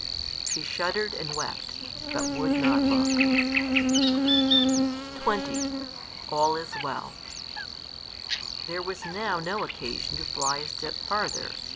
She shuddered and wept, but would not look. XX. ALL IS WELL. There was now no occasion to fly a step farther.